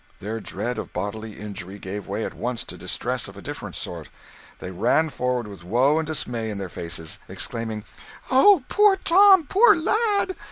Their dread of bodily injury gave way at once to distress of a different sort. They ran forward with woe and dismay in their faces, exclaiming "Oh, poor Tom, poor lad!"